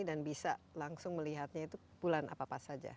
dan bisa langsung melihatnya itu bulan apa apa saja